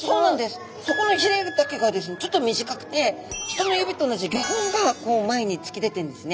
そこのひれだけがですねちょっと短くて人の指と同じ５本が前に突き出てるんですね。